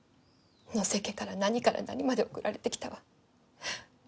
野瀬家から何から何まで送られてきたわ。